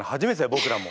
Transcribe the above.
僕らも。